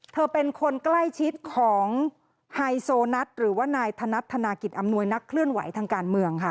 เธอเป็นคนใกล้ชิดของไฮโซนัทหรือว่านายธนัดธนากิจอำนวยนักเคลื่อนไหวทางการเมืองค่ะ